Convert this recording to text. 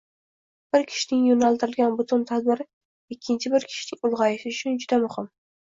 Bir kishining yo’naltirilgan butun tadbiri ikkinchi bir kishining ulg’ayishi uchun juda muhim.